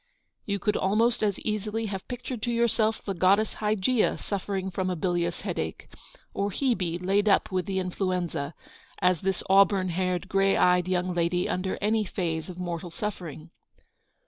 You could almost as easily have pictured to yourself the Goddess Hygeia suffering from a bilious headache, or Hebe laid up with the influenza, as this auburn haired, grey eyed young lady under any phase of mortal suffering.